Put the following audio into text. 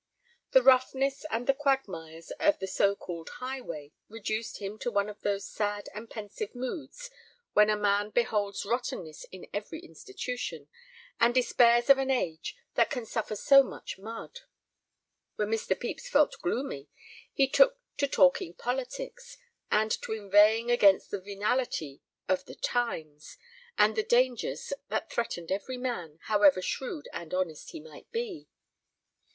The roughness and the quagmires of the so called highway reduced him to one of those sad and pensive moods when a man beholds rottenness in every institution, and despairs of an age that can suffer so much mud. When Mr. Pepys felt gloomy he took to talking politics, and to inveighing against the venality of the times, and the dangers that threatened every man, however shrewd and honest he might be.